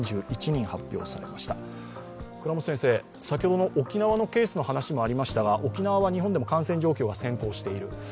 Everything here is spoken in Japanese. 先ほどの沖縄のケースの話もありましたが沖縄は日本でも感染状況が先行しいる。